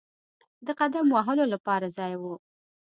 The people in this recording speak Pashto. د قدم وهلو لپاره ځای وو.